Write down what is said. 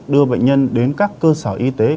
đưa bệnh nhân đến các cơ sở y tế